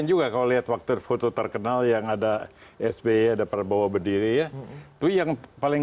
juga kalau lihat waktu foto terkenal yang ada sby ada prabowo berdiri ya itu yang paling